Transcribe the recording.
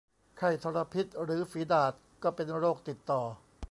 ไข้ทรพิษ หรือฝีดาษ ก็เป็นโรคติดต่อ